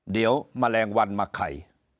เดี๋ยวแมลงวันมาไข่